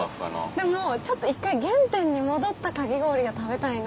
でもちょっと一回原点に戻ったかき氷が食べたいな。